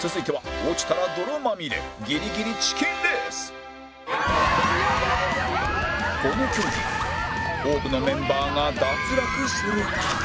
続いては落ちたら泥まみれこの競技多くのメンバーが脱落する中